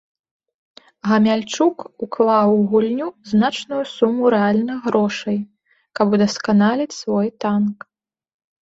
Гамяльчук уклаў у гульню значную суму рэальных грошай, каб удасканаліць свой танк.